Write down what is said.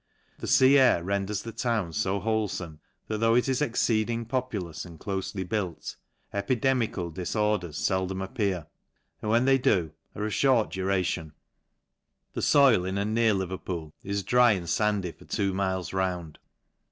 The fea air ren ders the town fo wholefome. that though it is ex ceeding populous and clofely built, epidemical dis orders feldom appear, and when they do, are of fhort duration. The foil in and near Leverpool is dry and fandy for two miles round.